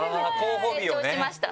成長しました。